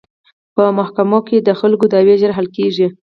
په محکمو کې د خلکو دعوې ژر حل کیږي.